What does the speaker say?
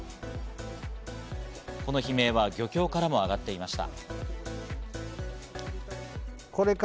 この悲鳴は漁協からもあがっていました。